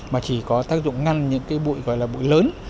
mà chỉ có tác dụng ngăn những cái bụi gọi là bụi lớn